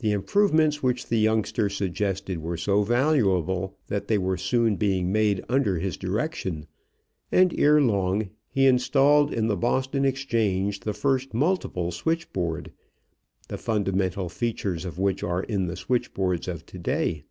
The improvements which the youngster suggested were so valuable that they were soon being made under his direction, and ere long he installed in the Boston exchange the first multiple switchboard, the fundamental features of which are in the switchboards of to day.